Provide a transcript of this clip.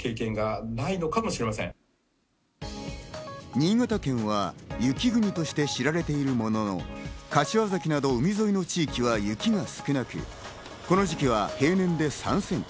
新潟県は雪国として知られているものの、柏崎など海沿いの地域は雪が少なく、この時期は平年で３センチ。